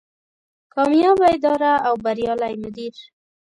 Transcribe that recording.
کاميابه اداره او بريالی مدير